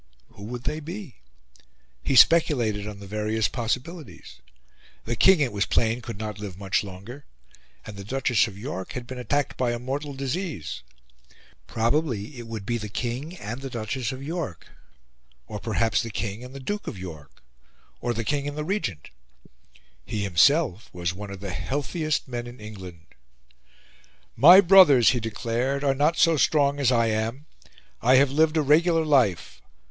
Who would they be? He speculated on the various possibilities: The King, it was plain, could not live much longer; and the Duchess of York had been attacked by a mortal disease. Probably it would be the King and the Duchess of York; or perhaps the King and the Duke of York; or the King and the Regent. He himself was one of the healthiest men in England. "My brothers," he declared, "are not so strong as I am; I have lived a regular life.